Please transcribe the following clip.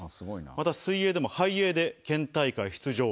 また水泳でも背泳で県大会出場。